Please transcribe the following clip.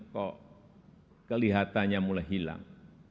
kok kelihatannya mulai hilang